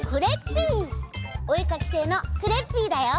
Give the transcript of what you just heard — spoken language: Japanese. おえかきせいのクレッピーだよ！